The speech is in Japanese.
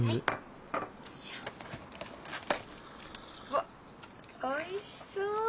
うわっおいしそう！